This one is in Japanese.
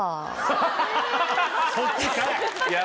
そっちかい！